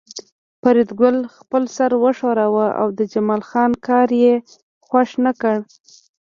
فریدګل خپل سر وښوراوه او د جمال خان کار یې خوښ نکړ